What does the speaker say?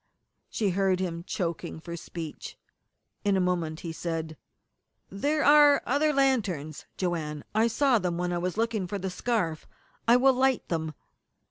She heard him choking for speech. In a moment he said: "There are other lanterns Joanne. I saw them when I was looking for the scarf. I will light them."